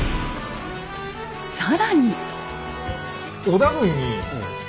更に。